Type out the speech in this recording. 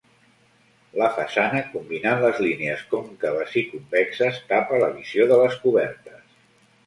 La façana, combinant les línies còncaves i convexes tapa la visió de les cobertes.